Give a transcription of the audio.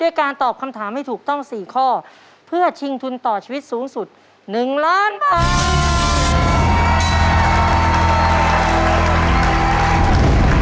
การตอบคำถามให้ถูกต้อง๔ข้อเพื่อชิงทุนต่อชีวิตสูงสุด๑ล้านบาท